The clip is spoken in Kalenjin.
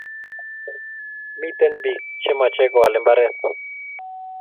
Miten pik che mache koal imbaret